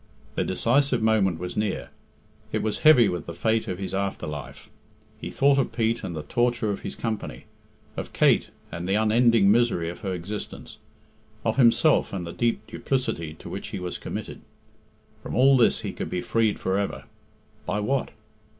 The decisive moment was near. It was heavy with the fate of his after life. He thought of Pete and the torture of his company; of Kate and the unending misery of her existence; of himself and the deep duplicity to which he was committed. From all this he could be freed for ever by what?